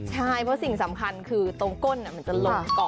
ใช่เพราะสิ่งสำคัญคือตรงก้นมันจะลงก่อน